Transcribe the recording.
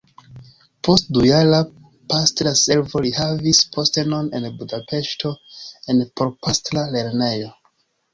Post dujara pastra servo li havis postenon en Budapeŝto en porpastra lernejo.